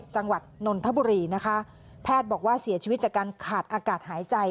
นนทบุรีนะคะแพทย์บอกว่าเสียชีวิตจากการขาดอากาศหายใจ